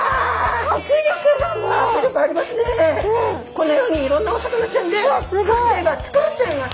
このようにいろんなお魚ちゃんではく製が作れちゃいます。